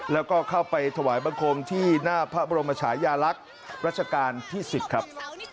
แล้วก็เข้าไปถวายบังคมที่หน้าพระบรมชายาลักษณ์รัชกาลที่๑๐ครับ